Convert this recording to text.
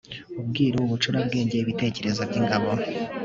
ubwiru, ubucurabwenge, ibitekerezo by'ingabo